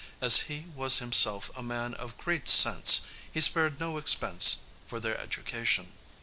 As he was himself a man of great sense, he spared no expense for their education.